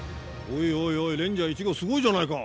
おいおいおいレンジャー１号すごいじゃないか。